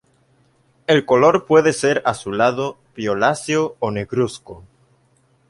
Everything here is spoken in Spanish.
El color puede ser azulado, violáceo o negruzco.